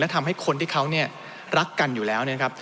ทำให้คนที่เขาเนี่ยรักกันอยู่แล้วนะครับ